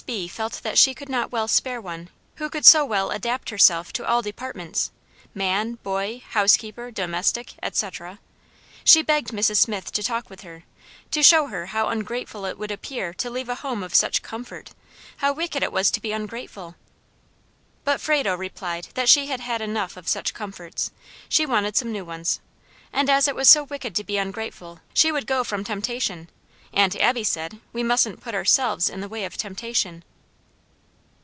B. felt that she could not well spare one who could so well adapt herself to all departments man, boy, housekeeper, domestic, etc. She begged Mrs. Smith to talk with her, to show her how ungrateful it would appear to leave a home of such comfort how wicked it was to be ungrateful! But Frado replied that she had had enough of such comforts; she wanted some new ones; and as it was so wicked to be ungrateful, she would go from temptation; Aunt Abby said "we mustn't put ourselves in the way of temptation."